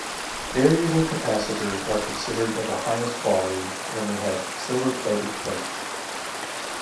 Variable capacitors are considered of the highest quality when they have silver-plated plates.